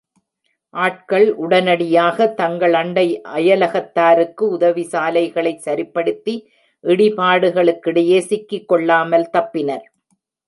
ஆட்கள் உடனடியாக தங்கள் அண்டை அயலகத்தாருக்கு உதவி சாலைகளை சரிப்படுத்தி இடிபாடுகளுக்கிடையே சிக்கிக்கொள்ளாமல் தப்பினர்.